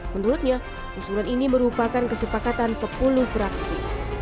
menurutnya usulan ini merupakan kesepakatan sepuluh fraksi